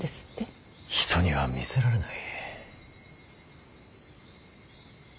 人には見せられない。